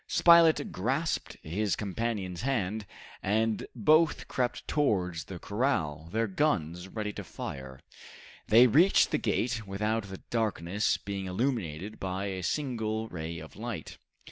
Spilett grasped his companion's hand, and both crept towards the corral, their guns ready to fire. They reached the gate without the darkness being illuminated by a single ray of light.